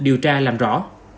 điều tra làm rõ